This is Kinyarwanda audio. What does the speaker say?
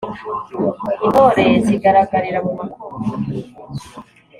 intore zigaragarira mu makuba